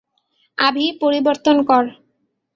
আভি, পরিবর্তন কর।